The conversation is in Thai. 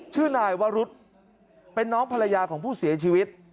ชื่อนายวรุษเป็นน้องภรรยาของผู้เสียชีวิต